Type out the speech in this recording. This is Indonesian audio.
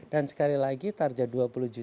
dan sekali lagi target dua puluh juta target presiden